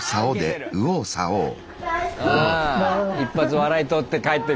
一発笑いとって帰ってく。